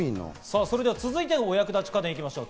続いてのお役立ち家電、行きましょう。